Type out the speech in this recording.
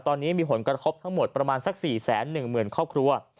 ตอนนี้มีหลวงกระครบทั้งหมดประมาณซัก๔๑แสนครับครัว